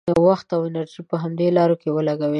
وخت او انرژي په همدې لارو کې ولګوي.